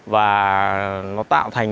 và nó tạo thành